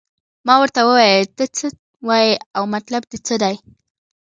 ما ورته وویل ته څه وایې او مطلب دې څه دی.